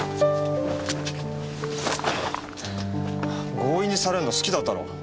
強引にされんの好きだったろ？